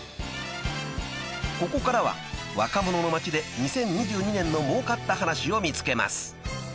［ここからは若者の街で２０２２年のもうかった話を見つけます］